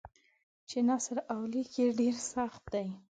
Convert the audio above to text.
چې نثر او لیک یې ډېر سخت دی.